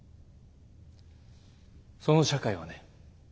その社会はね